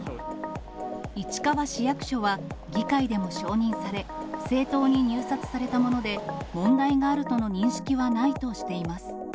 市川市役所は、議会でも承認され、正当に入札されたもので、問題があるとの認識はないとしています。